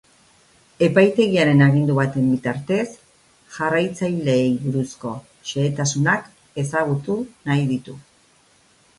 Epaitegiaren agindu baten bitartez, jarraitzaileei buruzko xehetasunak ezagutu nahi ditu.